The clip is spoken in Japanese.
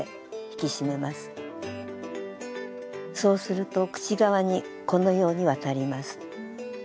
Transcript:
そうすると口側にこのように渡ります。